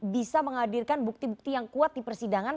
bisa menghadirkan bukti bukti yang kuat di persidangan